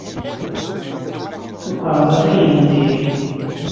Tukerḍa d ayen n dir.